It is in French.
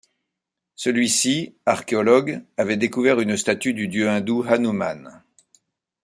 Celui-ci, archéologue, avait découvert une statue du dieu hindou Hanuman.